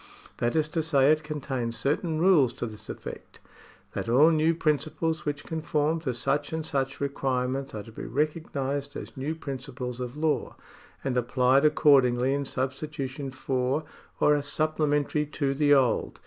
That is to say, it contains certain rules to this effect : that all new principles which conform to such and such requirements are to be recognised as new principles of law, and applied accordingly in substitution for, or as supplementary to the old.